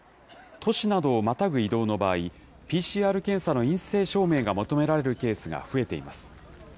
都市などをまたぐ移動の場合、ＰＣＲ検査の陰性証明が求められるケースが増えています。